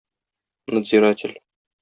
Надзиратель.